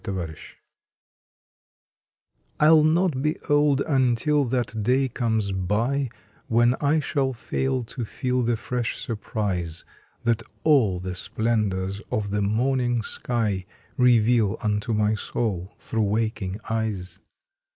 EVER YOUNG I LL not be old until that day comes by When I shall fail to feel the fresh surprise That all the splendors of the morning sky Reveal unto my soul through waking eyes.